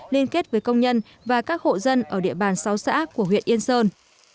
liên kết với công nhân và các hộ dân ở địa bàn sáu xã của huyện yên sơn